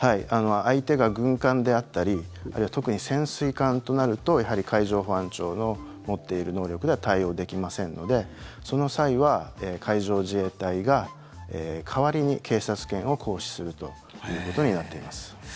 相手が軍艦であったり特に潜水艦となるとやはり、海上保安庁の持っている能力では対応できませんのでその際は海上自衛隊が代わりに警察権を行使するということになっています。